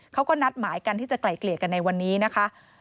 เขาก็นัดหมายกันที่จะไกล่เกลี่ยกันในวันนี้นะคะ